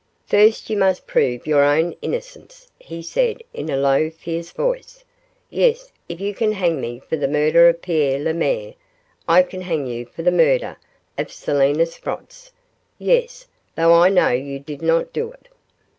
'First you must prove your own innocence,' he said, in a low, fierce voice. 'Yes; if you can hang me for the murder of Pierre Lemaire, I can hang you for the murder of Selina Sprotts; yes, though I know you did not do it.